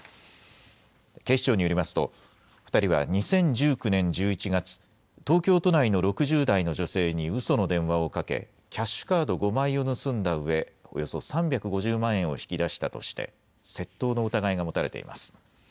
警視庁によりますと２人は２０１９年１１月東京都内の６０代の女性にうその電話をかけキャッシュカード５枚を盗んだうえ、およそ３５０万円を引き出したとして窃盗の疑いが持たれています。